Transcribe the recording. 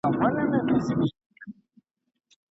کرني پوهنځۍ پرته له پلانه نه پراخیږي.